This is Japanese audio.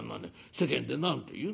世間で何と言う？